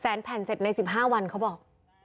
แสนแผ่นเสร็จใน๑๕วันเขาบอก